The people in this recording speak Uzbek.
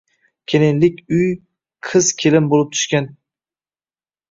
Kelinlik uy qiz kelin boʻlib tushgan uy